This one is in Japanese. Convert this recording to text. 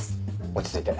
落ち着いて。